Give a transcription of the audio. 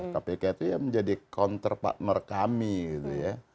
kpk itu ya menjadi counter partner kami gitu ya